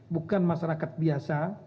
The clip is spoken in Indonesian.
bukan masyarakat biasa